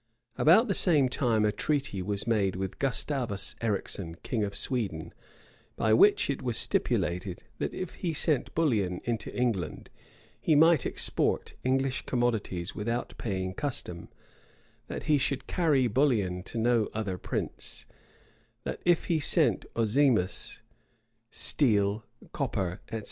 [*] About the same time a treaty was made with Gustavus Ericson, king of Sweden, by which it was stipulated, that if he sent bullion into England, he might export English commodities without paying custom; that he should carry bullion to no other prince; that if he sent ozimus, steel, copper, etc.